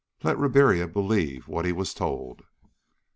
Let Ribiera believe what he was told!